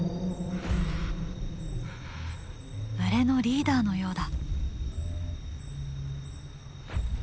群れのリーダーのようだ。